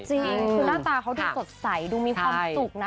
จริงคือหน้าตาเขาดูสดใสดูมีความสุขนะ